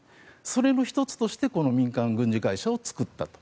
それの１つとして民間軍事会社を作ったと。